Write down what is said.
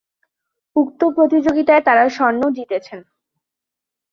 উক্ত প্রতিযোগীতায় তারা স্বর্ণ জিতেন।